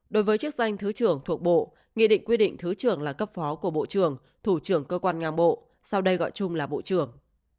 đối với chức danh thứ trưởng thuộc bộ nghị định quy định thứ trưởng là cấp phó của bộ trưởng thủ trưởng cơ quan ngang bộ sau đây gọi chung là bộ trưởng